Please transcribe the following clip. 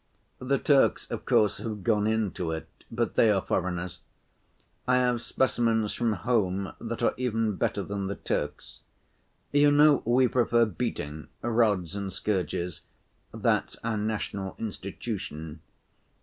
The Turks, of course, have gone into it, but they are foreigners. I have specimens from home that are even better than the Turks. You know we prefer beating—rods and scourges—that's our national institution.